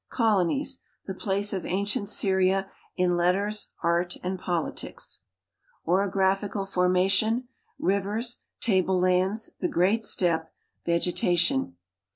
Colonies. The place of ancient Syria in letters, art, and politics. Orographical formation : Rivers ; Table lands ; The Great Steppe. Vege tation.